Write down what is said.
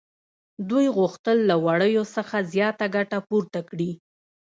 دوی غوښتل له وړیو څخه زیاته ګټه پورته کړي